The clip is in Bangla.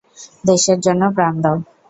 দেশের জন্য প্রাণ দাও।